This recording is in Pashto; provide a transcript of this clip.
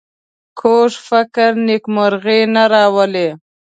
کوږ فکر نېکمرغي نه راولي